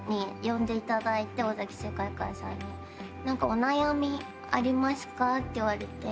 「お悩みありますか？」と言われて。